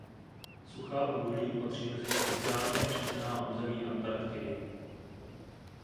Suchá údolí patří mezi Speciálně řízená území Antarktidy.